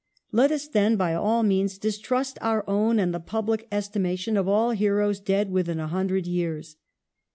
Let us, then, by all means distrust our own and the public estimation of all heroes dead within a hundred years.